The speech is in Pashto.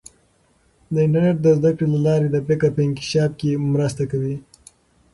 د انټرنیټ د زده کړې له لارې د فکر په انکشاف کې مرسته کوي.